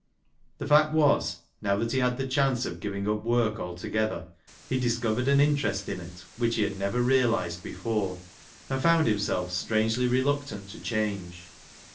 The fact was, now that he had the chance of giving up work altogether, he discovered an interest in it which he had never realised before, and found himself strangely reluctant to change.